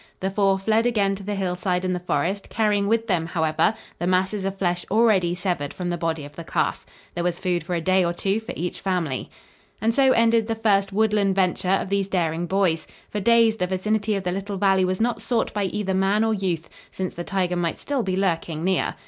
The four fled again to the hillside and the forest, carrying with them, however, the masses of flesh already severed from the body of the calf. There was food for a day or two for each family. And so ended the first woodland venture of these daring boys. For days the vicinity of the little valley was not sought by either man or youth, since the tiger might still be lurking near.